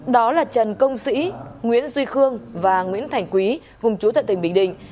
đó là trần công sĩ nguyễn duy khương và nguyễn thành quý vùng trú tại tỉnh bình định